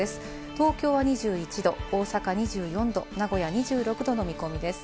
東京は２１度、大阪２４度、名古屋２６度の見込みです。